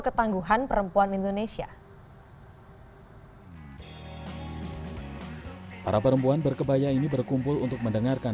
ketangguhan perempuan indonesia para perempuan berkebaya ini berkumpul untuk mendengarkan